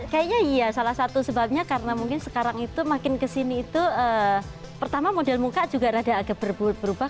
kayaknya iya salah satu sebabnya karena mungkin sekarang itu makin kesini itu pertama model muka juga rada agak berubah